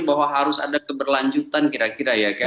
bahwa harus ada keberlanjutan kira kira ya kan